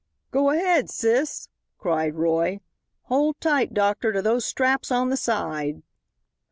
"Go ahead, sis," cried Roy. "Hold tight, doctor, to those straps on the side."